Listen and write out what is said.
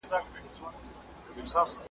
لکه ځوې د مور په غیږه خوږ وطنه